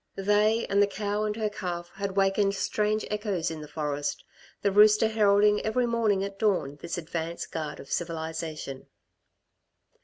They and the cow and her calf had wakened strange echoes in the forest, the rooster heralding every morning at dawn this advance guard of civilisation.